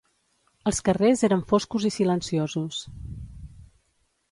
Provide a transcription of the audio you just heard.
Els carrers eren foscos i silenciosos